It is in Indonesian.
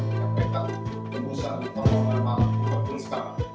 hai teman teman pengusahaan panggung lama untuk pungskap